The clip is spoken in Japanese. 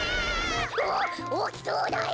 おおきそうだよ。